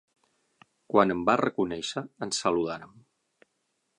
Quan em va reconèixer, ens saludàrem.